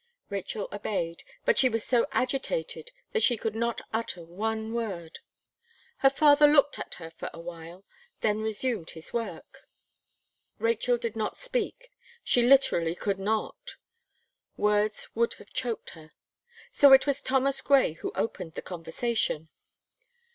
Rachel obeyed; but she was so agitated that she could not utter one word. Her father looked at her for awhile, then resumed his work. Rachel did not speak she literally could not. Words would have choked her; so it was Thomas Gray who opened the conversation.